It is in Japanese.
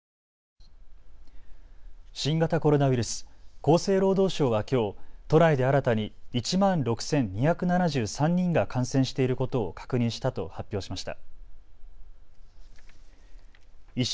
新型コロナウイルス、厚生労働省はきょう都内で新たに１万６２７３人が感染していることを確認したと発表しました。